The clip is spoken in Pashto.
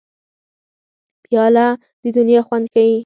پیاله د دنیا خوند ښيي.